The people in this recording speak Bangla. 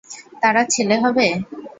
তারা ছেলে হবে?